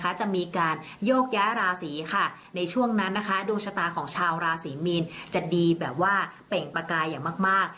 จะมีการโยกย้ายราศีค่ะในช่วงนั้นนะคะดวงชะตาของชาวราศีมีนจะดีแบบว่าเปล่งประกายอย่างมาก